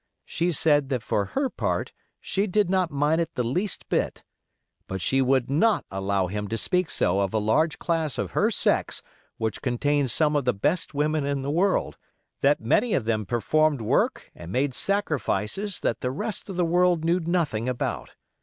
She said that for her part she did not mind it the least bit; but she would not allow him to speak so of a large class of her sex which contained some of the best women in the world; that many of them performed work and made sacrifices that the rest of the world knew nothing about.